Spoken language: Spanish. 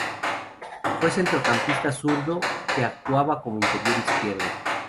Fue centrocampista zurdo que actuaba como interior izquierdo.